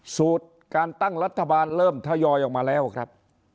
สูตรการตั้งรัฐบาลเริ่มทยอยออกมาแล้วครับ